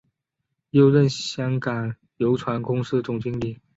又任香港邮船公司总经理。